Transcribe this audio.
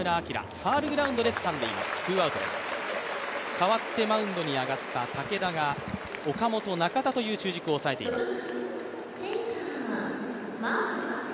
代わってマウンドに上がった武田が、岡本、中田という主軸を抑えています。